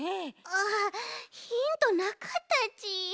ああヒントなかったち。